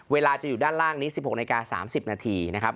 เวลาจะอยู่ด้านล่างนี้๑๖นาที๓๐นาทีนะครับ